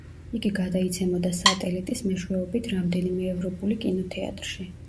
იგი გადაიცემოდა სატელიტის მეშვეობით რამდენიმე ევროპული კინოთეატრში.